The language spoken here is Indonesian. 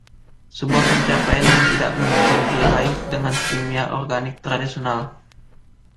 Sebuah pencapaian yang tidak mungkin diraih dengan kimia organik tradisional.